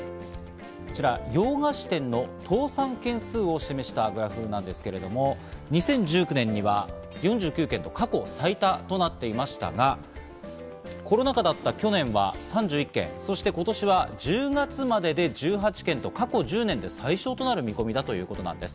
こちらは洋菓子店の倒産件数を示したグラフなんですが２０１９年には４９件と過去最多となっていましたが、コロナ禍だった去年は３１件、そして今年は１０月までで１８件と過去１０年で最少となる見込みだということなんです。